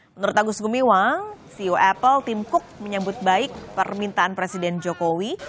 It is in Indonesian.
menurut agus gumiwang ceo apple tim cook menyambut baik permintaan presiden jokowi